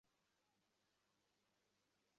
তা হলে আর হীন বুদ্ধি, হীন ভাব নিকটে আসবে না।